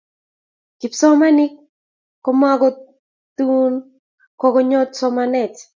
kipsomaninik komokotin kokonyot somanet